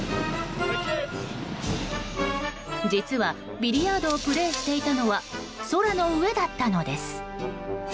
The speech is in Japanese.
実はビリヤードをプレーしていたのは空の上だったのです。